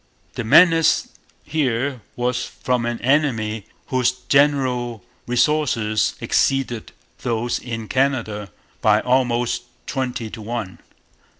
The menace here was from an enemy whose general resources exceeded those in Canada by almost twenty to one.